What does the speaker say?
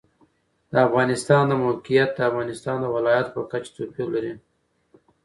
د افغانستان د موقعیت د افغانستان د ولایاتو په کچه توپیر لري.